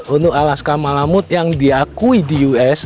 untuk alaska malamut yang diakui di us